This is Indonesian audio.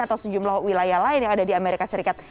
atau sejumlah wilayah lain yang ada di amerika serikat